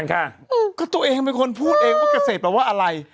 เขาพูดเองต้องเกษตรแบบว่าอะไร